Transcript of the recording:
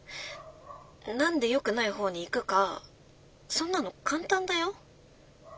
何でよくない方に行くかそんなの簡単だよ。